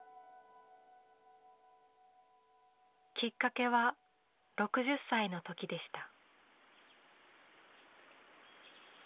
きっかけは６０歳の時でした。